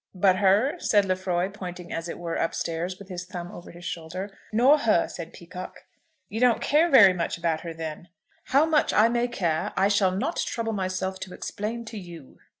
"But her," said Lefroy, pointing as it were up stairs, with his thumb over his shoulder. "Nor her," said Peacocke. "You don't care very much about her, then?" "How much I may care I shall not trouble myself to explain to you.